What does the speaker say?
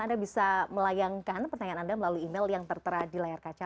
anda bisa melayangkan pertanyaan anda melalui email yang tertera di layar kaca